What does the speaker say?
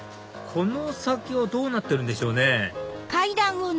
この先はどうなってるんでしょうね？